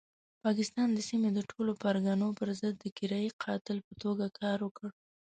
پاکستان د سیمې د ټولو پرګنو پرضد د کرایي قاتل په توګه کار وکړ.